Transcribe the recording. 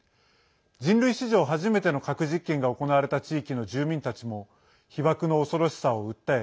人類史上初めての核実験が行われた地域の住民たちも被ばくの恐ろしさを訴え